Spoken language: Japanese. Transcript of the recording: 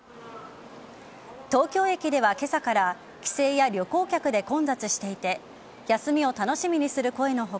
東京駅では今朝から帰省や旅行客で混雑していて休みを楽しみにする声の他